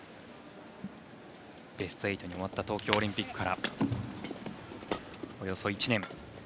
ベスト８に終わった東京オリンピックからおよそ１年。